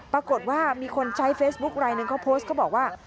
ปรากฏว่ามีคนใช้เฟสบุ๊คอะไรหนึ่งก็โพสต์ก็บอกว่า